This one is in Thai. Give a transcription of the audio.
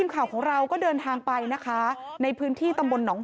ครับ